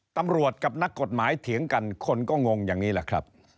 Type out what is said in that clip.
ตำรวจกับนักกฎหมายเถียงกันคนก็งงอย่างนี้แหละครับ